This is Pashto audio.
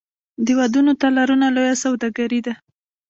د ودونو تالارونه لویه سوداګري ده